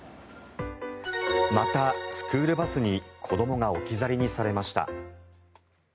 またスクールバスに子どもが置き去りにされました。